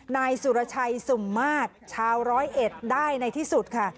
นายสุรชัยสุ่มมาตรชาวร้อยเอ็ดได้ในที่สุดค่ะ